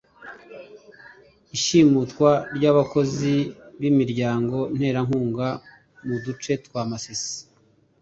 Ishimutwa ry’abakozi b’imiryango nterankunga mu duce twa Masisi